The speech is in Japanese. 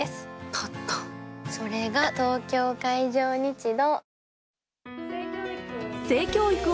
立ったそれが東京海上日動